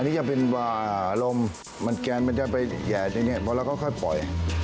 อันนี้จะเป็นว่ารมมันแกนไปแหย่นิดนึงเพราะเราก็ค่อยปล่อย